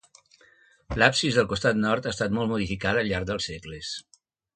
L'absis del costat nord ha estat molt modificat al llarg dels segles.